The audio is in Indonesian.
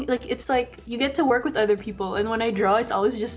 dan ketika saya mencari saya selalu berada di bilik saya sendiri